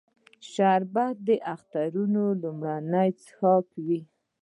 شربت د اخترونو لومړنی څښاک وي